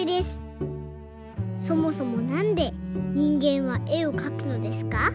そもそもなんで人間は絵をかくのですか？